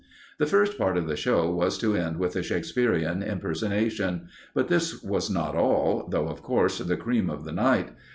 The first part of the show was to end with the Shakespearean impersonation; but this was not all, though, of course, the cream of the night.